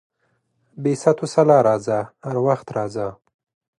بې ست وسلا راځه، هر وخت راځه.